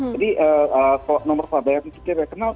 jadi kalau nomor perbayar itu tidak kenal